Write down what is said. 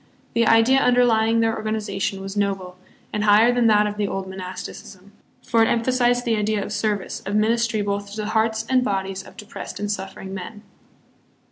The idea underlying their organization was noble, and higher than that of the old monasticism ; for it emphasized the idea of service, of ministry both to the hearts and bodies of depressed and suffering men.